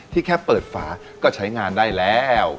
แค่เปิดฝาก็ใช้งานได้แล้ว